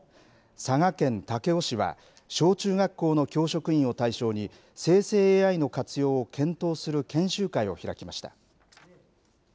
佐賀県武雄市は小中学校の教職員を対象に生成ＡＩの活用を検討する研修会を開きました。